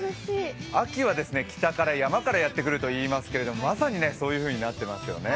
秋は北から山からやってくると言いますけれどもまさにそういうふうになっていますよね。